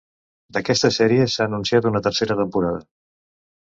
D'aquesta sèrie s'ha anunciat una tercera temporada.